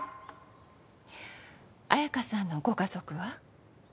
綾華さんのご家族は？